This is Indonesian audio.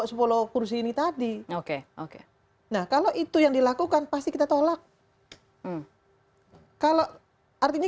sepuluh kursi ini tadi oke oke nah kalau itu yang dilakukan pasti kita tolak kalau artinya